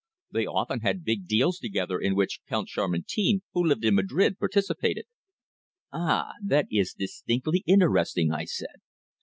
They often had big deals together in which Count Chamartin, who lived in Madrid, participated." "Ah! That is distinctly interesting," I said.